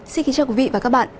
xin kính chào quý vị và các bạn